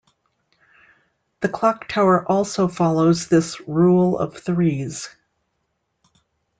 The clock tower also follows this rule of threes.